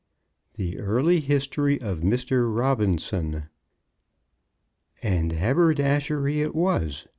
THE EARLY HISTORY OF MR. ROBINSON. And haberdashery it was.